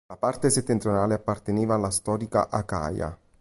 La parte settentrionale apparteneva alla storica Acaia.